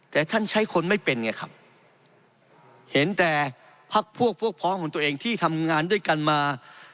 แต่ท่านใช้คนไม่เป็นไงครับเห็นแต่พักพวกพวกพ้องของตัวเองที่ทำงานด้วยกันมา